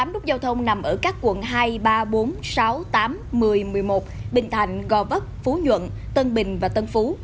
tám nút giao thông nằm ở các quận hai ba bốn sáu tám một mươi một mươi một bình thạnh gò vấp phú nhuận tân bình và tân phú